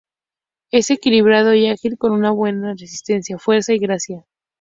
Es equilibrado y ágil, con una buena resistencia, fuerza y gracia.